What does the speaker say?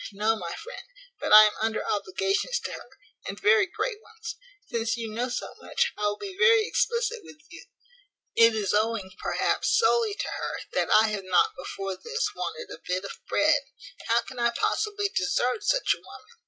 no, my friend, but I am under obligations to her, and very great ones. Since you know so much, I will be very explicit with you. It is owing, perhaps, solely to her, that I have not, before this, wanted a bit of bread. How can I possibly desert such a woman?